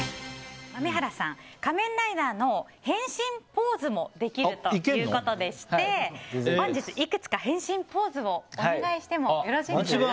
豆原さん「仮面ライダー」の変身ポーズもできるということでして本日いくつか変身ポーズをお願いしてもよろしいでしょうか。